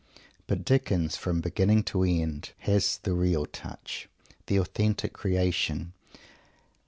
But Dickens, from beginning to end, has the real touch, the authentic reaction.